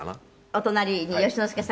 「お隣に善之介さん。